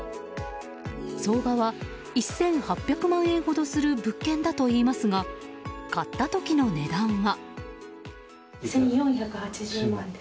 相場は１８００万円ほどする物件だといいますが買った時の値段は。